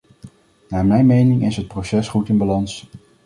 Naar mijn mening is het proces goed in balans.